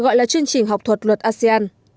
gọi là chuyên trình học thuật luật asean